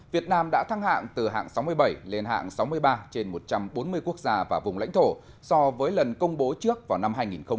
việt nam đã thăng hạng từ hạng sáu mươi bảy lên hạng sáu mươi ba trên một trăm bốn mươi quốc gia và vùng lãnh thổ so với lần công bố trước vào năm hai nghìn một mươi